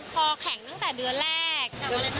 คอแข็งตั้งแต่เดือนแรก